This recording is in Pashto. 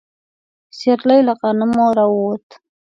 سيرلي له غنمو راووت.